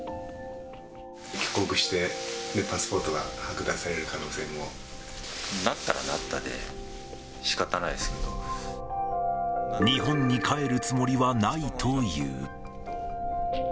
帰国して、なったらなったで、しかたな日本に帰るつもりはないという。